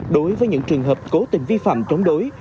đối với những trường hợp cố tình vi phạm chống đối